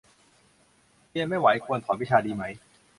เรียนไม่ไหว ควรถอนวิชาดีไหม